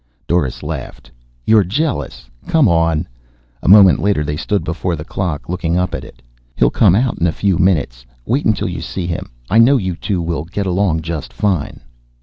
Doris laughed. "You're jealous! Come on." A moment later they stood before the clock, looking up at it. "He'll come out in a few minutes. Wait until you see him. I know you two will get along just fine."